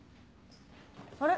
あれ？